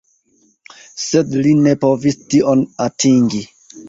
Sed li ne povis tion atingi.